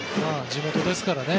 地元ですからね。